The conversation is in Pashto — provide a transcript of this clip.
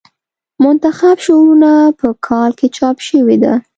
منتخب شعرونه په کال کې چاپ شوې ده.